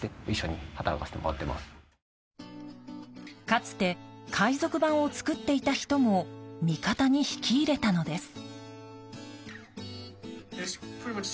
かつて海賊版を作っていた人も味方に引き入れたのです。